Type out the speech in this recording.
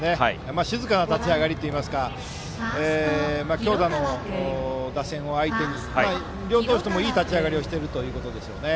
静かな立ち上がりといいますか強打の打線を相手に両投手ともいい立ち上がりをしているということでしょうね。